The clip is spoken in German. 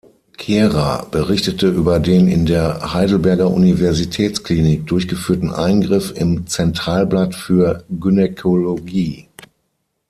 Kehrer berichtete über den in der Heidelberger Universitätsklinik durchgeführten Eingriff im „Centralblatt für Gynäkologie“.